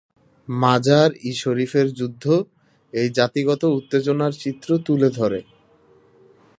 মাজার-ই-শরীফের যুদ্ধ এই জাতিগত উত্তেজনার চিত্র তুলে ধরে।